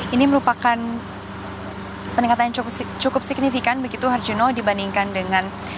ini merupakan peningkatan yang cukup signifikan begitu harjono dibandingkan dengan